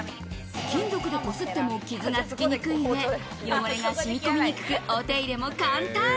金属で擦っても傷がつきにくい上、汚れが染み込みにくく、お手入れも簡単。